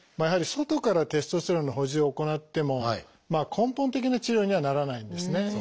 やはり外からテストステロンの補充を行っても根本的な治療にはならないんですね。